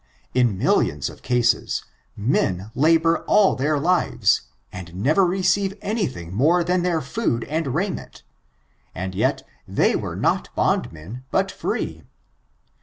In millions of cases, men labor all their lives, and never receive anything more than their food and raiment, and yet, they were notbondmen, but free.